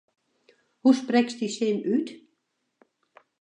Hoe sprekst dy sin út?